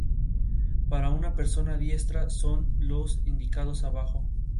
Para una persona diestra, son los indicados abajo.